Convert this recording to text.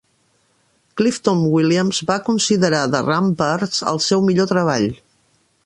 Clifton Williams va considerar "The Ramparts" el seu millor treball.